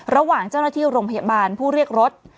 ระหว่างเจ้าหน้าที่โรงพยาบาลผู้เรียกรถ